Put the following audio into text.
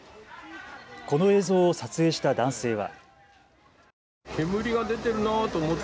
この映像を撮影した男性は。